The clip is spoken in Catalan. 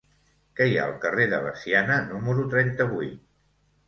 Què hi ha al carrer de Veciana número trenta-vuit?